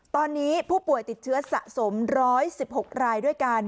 ตอนนี้ผู้ป่วยติดเชื้อสะสม๑๑๖รายด้วยกัน